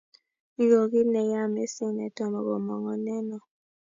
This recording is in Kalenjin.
Ni ko kit ne ya mising ne tomo komonguneno